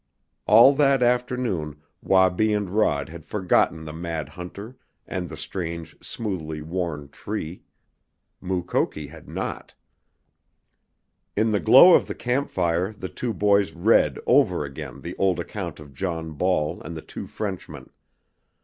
All that afternoon Wabi and Rod had forgotten the mad hunter and the strange, smoothly worn tree. Mukoki had not. In the glow of the camp fire the two boys read over again the old account of John Ball and the two Frenchmen.